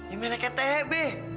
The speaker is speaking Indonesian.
ini mereka yang tehe be